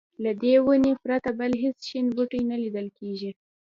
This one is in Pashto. له دې ونې پرته بل هېڅ شین بوټی نه لیدل کېږي.